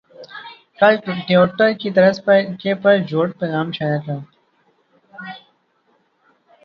کل ٹیوٹر کی طرز کے پر چھوٹ پیغام شائع کر